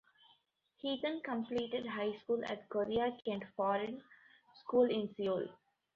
He then completed high school at Korea Kent Foreign School in Seoul.